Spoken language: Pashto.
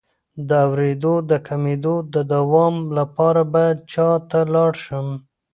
د اوریدو د کمیدو د دوام لپاره باید چا ته لاړ شم؟